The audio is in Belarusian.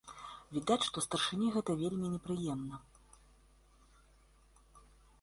Відаць, што старшыні гэта вельмі непрыемна.